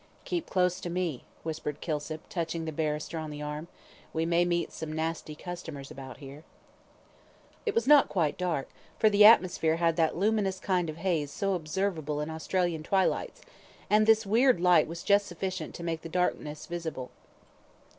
"Keep close to me," whispered Kilsip, touching the barrister on the arm; "we may meet some nasty customers about here." It was not quite dark, for the atmosphere had that luminous kind of haze so observable in Australian twilights, and this weird light was just sufficient to make the darkness visible.